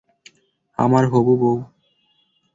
আমার হবু বউ।